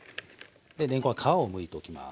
でれんこんは皮をむいときます。